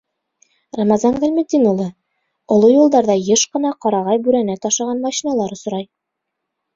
— Рамазан Ғилметдин улы, оло юлдарҙа йыш ҡына ҡарағай бүрәнә ташыған машиналар осрай.